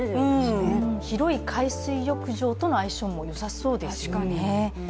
広い海水浴場との相性もよさそうですよね。